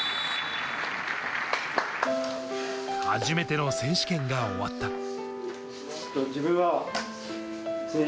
初めての選手権が終わった。